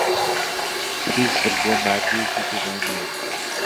هیچ بڕگە و ماددەیەکی تێدا نییە